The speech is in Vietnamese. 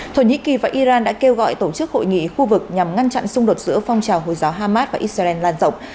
thổ nhĩ kỳ và iran đã kêu gọi tổ chức hội nghị khu vực nhằm ngăn chặn xung đột giữa phong trào hồi giáo hamas và israel lan rộng